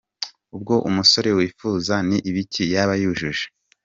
Ubwo umusore wifuza ni ibiki yaba yujuje?.